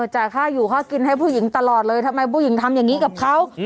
จ่ายค่าอยู่ค่ากินให้ผู้หญิงตลอดเลยทำไมผู้หญิงทำอย่างนี้กับเขา